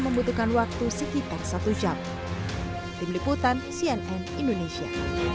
membutuhkan waktu sekitar satu jam tim liputan cnn indonesia